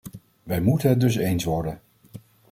Wij moeten het dus eens worden.